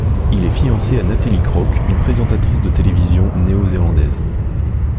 Il est fiancé à Natalie Crook, une présentatrice de télévision néo-zélandaise.